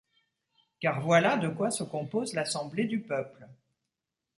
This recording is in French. Car voilà de quoi se compose l'assemblée du peuple.